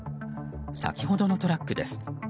先ほどのトラックです。